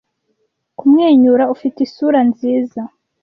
kumwenyura ufite isura nziza